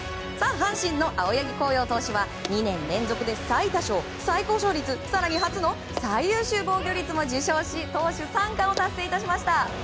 阪神の青柳晃洋投手は２年連続で最多勝、最高勝率更に、初の最優秀防御率も受賞し投手３冠を達成いたしました。